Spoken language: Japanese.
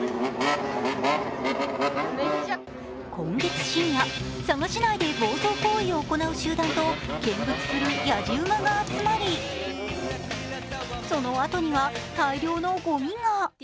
今月深夜、佐賀市内で暴走行為を行う集団と見物するやじ馬が集まり、そのあとには大量のごみが。